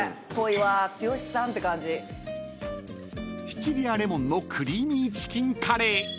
［シチリアレモンのクリーミーチキンカレー］